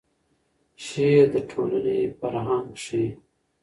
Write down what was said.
شعر د ټولنې فرهنګ ښیي.